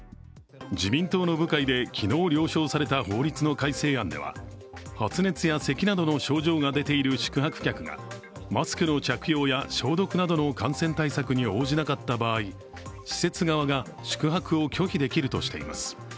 自民党の部会で昨日了承された法律の改正案では発熱やせきなどの症状が出ている宿泊客がマスクの着用や消毒などの感染対策に応じなかった場合施設側が宿泊を拒否できるとしています。